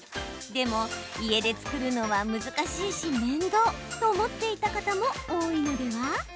でも、家で作るのは難しいし面倒と思っていた方も多いのでは。